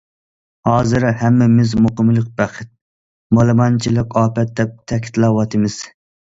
ھازىر ھەممىمىز مۇقىملىق بەخت، مالىمانچىلىق ئاپەت، دەپ تەكىتلەۋاتىمىز.